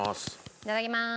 いただきます。